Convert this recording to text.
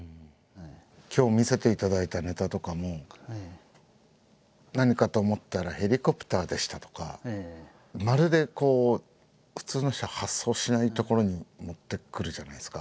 今日見せていただいたネタとかも「何かと思ったらヘリコプターでした」とかまるでこう普通の人が発想しないところに持ってくるじゃないですか。